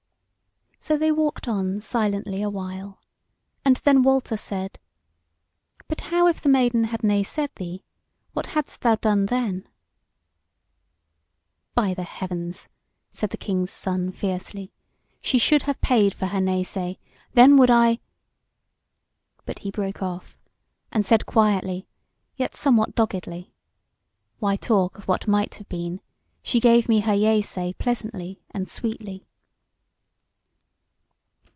So they walked on silently a while, and then Walter said: "But how if the Maiden had nay said thee; what hadst thou done then?" "By the heavens!" said the King's Son fiercely, "she should have paid for her nay say; then would I " But he broke off, and said quietly, yet somewhat doggedly: "Why talk of what might have been? She gave me her yea say pleasantly and sweetly."